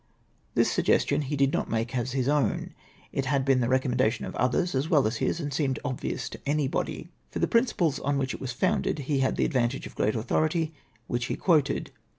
" This suggestion he did not make as his own. It had been the recommendation of others as well as his, and seemed obvious to anybody. For the principles on which it was founded he had the advantage of great authority, which he quoted.